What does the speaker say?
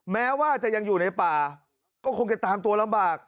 แม้ว่าจะยังอยู่ในป่าก็คงจะตามตัวลำบาก